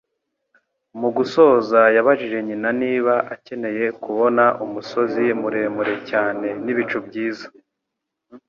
Mu gusoza yabajije nyina niba akeneye kubona "umusozi muremure cyane n'ibicu byiza."